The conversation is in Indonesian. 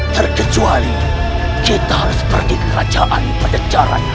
terkecuali kita harus pergi ke kerajaan pada caranya